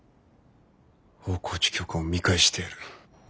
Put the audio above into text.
大河内教官を見返してやる。